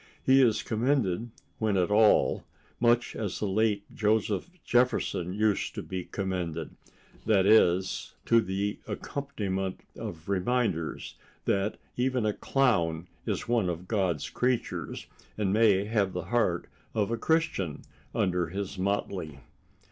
He is commended, when at all, much as the late Joseph Jefferson used to be commended—that is, to the accompaniment of reminders that even a clown is one of God's creatures, and may have the heart of a Christian under his motley.